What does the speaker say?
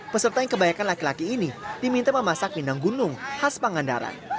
peserta yang kebanyakan laki laki ini diminta memasak pindang gunung khas pangandaran